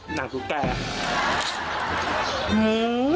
หนังตุ๊กแก่